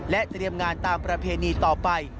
เตรียมงานตามประเพณีต่อไป